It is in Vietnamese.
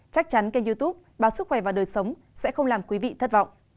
chắc chắn kênh youtube báo sức khỏe và đời sống sẽ không làm quý vị thất vọng